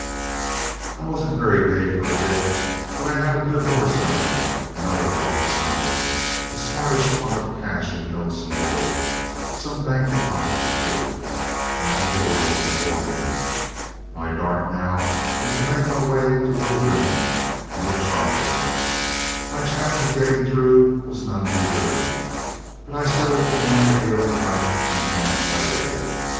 I wasn't very gay for a bit, but I had a good horse under me, another alongside, a smartish lot of cash in notes and gold, some bank deposits too, and all the world before me. My dart now was to make my way to Willaroon and look sharp about it. My chance of getting through was none too good, but I settled to ride a deal at night and camp by day.